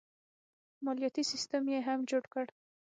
مالیاتي سیستم یې هم جوړ کړ.